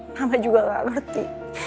mama juga gak ngerti